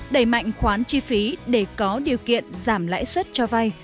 đẩy mạnh khoán chi phí để có điều kiện giảm lãi suất cho vay